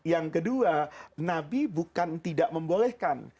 yang kedua nabi bukan tidak membolehkan